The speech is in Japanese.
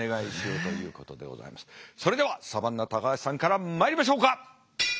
それではサバンナ高橋さんからまいりましょうか。